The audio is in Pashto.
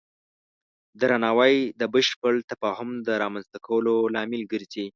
درناوی د بشپړ تفاهم د رامنځته کولو لامل ګرځي.